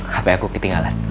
hape aku ketinggalan